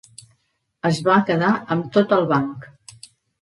Es va quedar amb tot el banc.